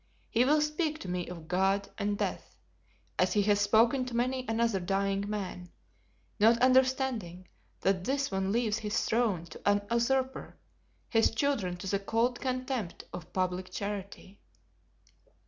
He will speak to me of God and death, as he has spoken to many another dying man, not understanding that this one leaves his throne to an usurper, his children to the cold contempt of public charity."